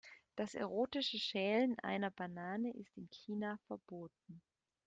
Das erotische Schälen einer Banane ist in China verboten.